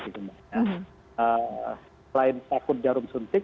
selain takut jarum suntik